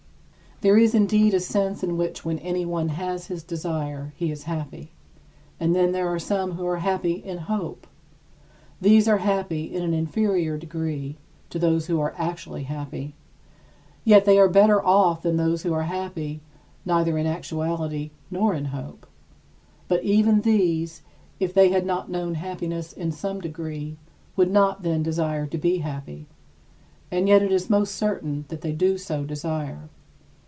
There is, indeed, a sense in which when anyone has his desire he is happy. And then there are some who are happy in hope. These are happy in an inferior degree to those that are actually happy; yet they are better off than those who are happy neither in actuality nor in hope. But even these, if they had not known happiness in some degree, would not then desire to be happy. And yet it is most certain that they do so desire.